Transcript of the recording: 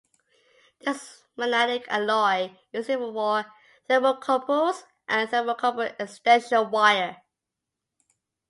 This magnetic alloy is used for thermocouples and thermocouple extension wire.